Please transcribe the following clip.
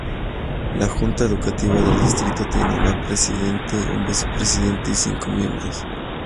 La junta educativa del distrito tiene un presidente, un vicepresidente, y cinco miembros.